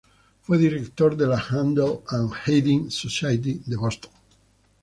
Fue director de la "Handel and Haydn Society" de Boston.